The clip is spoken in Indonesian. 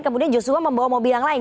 kemudian joshua membawa mobil yang lain